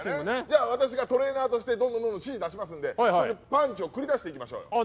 じゃあ私がトレーナーとしてどんどんどんどん指示を出しますのでパンチを繰り出していきましょうよ。